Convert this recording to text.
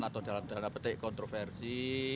atau dalam tanda petik kontroversi